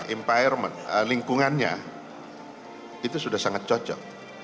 empirement lingkungannya itu sudah sangat cocok